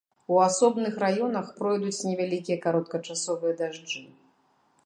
У асобных раёнах пройдуць невялікія кароткачасовыя дажджы.